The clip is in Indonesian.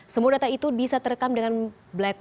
semua data itu bisa terekam dengan data penerbangan